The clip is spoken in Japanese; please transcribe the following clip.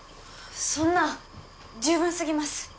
そんな十分すぎます